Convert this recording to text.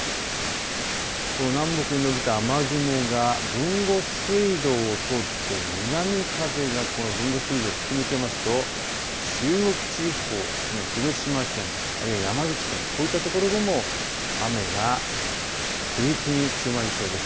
この南北に伸びた雨雲が豊後水道を通って南風がこの豊後水道、吹き抜けますと中国地方ですね、広島県あるいは山口県こういったところでも雨が急激に強まりそうです。